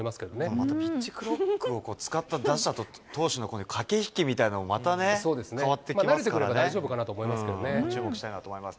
またピッチクロックを使った打者と投手のこの駆け引きみたいなのもまたね、かわってきますか慣れてくれば大丈夫かなと思注目したいなと思います。